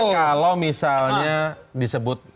kalau misalnya disebut